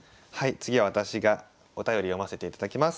次は私がお便り読ませていただきます。